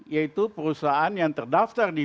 yaitu perusahaan yang terdaftar di